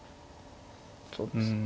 そうですね。